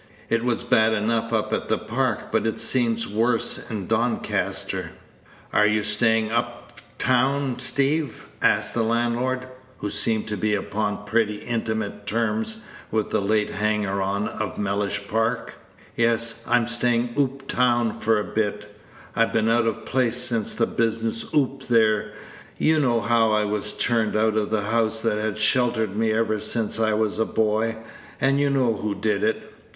It was bad enough up at the Park, but it seems worse in Doncaster." "Are you stayin' up town, Steeve?" asked the landlord, who seemed to be upon pretty intimate terms with the late hanger on of Mellish Park. "Yes, I'm stayin' oop town for a bit; I've been out of place since the business oop there; you know how I was turned out of the house that had sheltered me ever since I was a boy, and you know who did it.